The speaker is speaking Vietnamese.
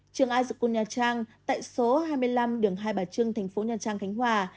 trường azekun nha trang tại số hai mươi năm đường hai bà trưng thành phố nha trang khánh hòa